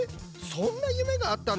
そんな夢があったの？